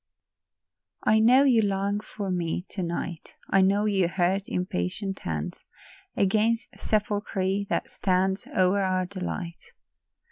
I know you long for me to night ; I know you hurt impatient hands Against the sepulchre that stands O'er our delight.